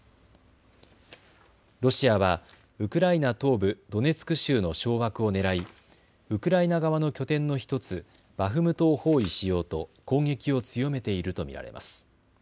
ロシアはウクライナ東部ドネツク州の掌握をねらいウクライナ側の拠点の１つ、バフムトを包囲しようと攻撃を強めていると見られます。